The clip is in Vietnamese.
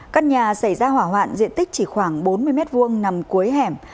căn nhà xảy ra hỏa hoạn diện tích chỉ khoảng bốn mươi m hai nằm cuối hẻm